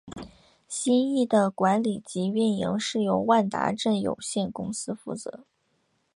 新翼的管理及营运是由万达镇有限公司负责。